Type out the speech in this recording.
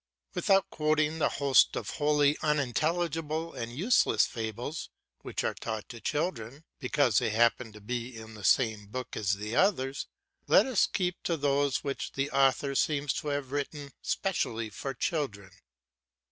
Without quoting the host of wholly unintelligible and useless fables which are taught to children because they happen to be in the same book as the others, let us keep to those which the author seems to have written specially for children.